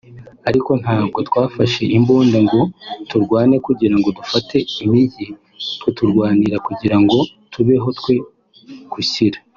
ariko ntabwo twafashe imbunda ngo turwane kugira ngo dufate imijyi; twe turwanira kugira ngo tubeho twe gushira (…)